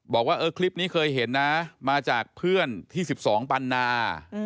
บอกว่าคลิปนี้เคยเห็นนะมาจากเพื่อนที่๑๒ปันนา